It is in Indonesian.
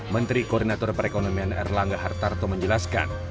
menteri koordinator perekonomian erlangga hartarto menjelaskan